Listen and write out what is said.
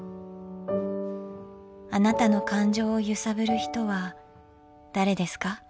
あなたの感情を揺さぶる人は誰ですか？